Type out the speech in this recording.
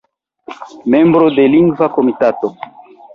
Membro de Lingva Komitato.